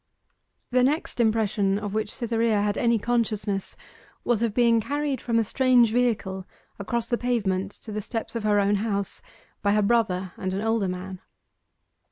The next impression of which Cytherea had any consciousness was of being carried from a strange vehicle across the pavement to the steps of her own house by her brother and an older man.